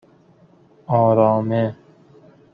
آرامه